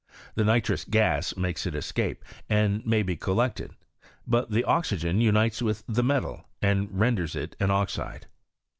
The nitrous gas makes its escape, and may be collected; but the oxygen unites with the metal and renders it aA oxide.